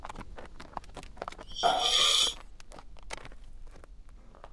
The Northumbrians then marched on York, but William was able to suppress the uprising.